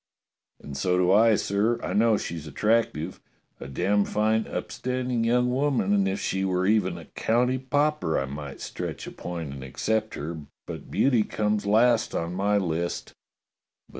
"And so do I, sir. I know she's attractive. A damned fine, upstanding young woman, and if she were even a county pauper I might stretch a point and ac cept her, but beauty comes last on my list."